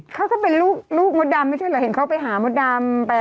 เขาก็เป็นลูกมดดำไม่ใช่เหรอเห็นเขาไปหามดดำ